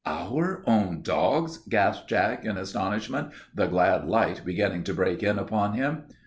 "Our own dogs?" gasped Jack in astonishment, the glad light beginning to break in upon him.